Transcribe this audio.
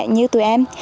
như tụi em